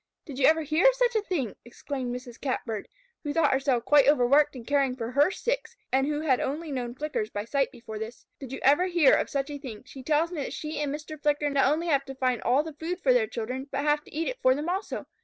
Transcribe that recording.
"Did you ever hear of such a thing?" exclaimed Mrs. Catbird, who thought herself quite overworked in caring for her six, and who had only known Flickers by sight before this. "Did you ever hear of such a thing? She tells me that she and Mr. Flicker not only have to find all the food for their children, but have to eat it for them also.